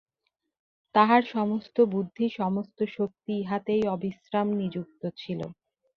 তাহার সমস্ত বুদ্ধি সমস্ত শক্তি ইহাতেই অবিশ্রাম নিযুক্ত ছিল।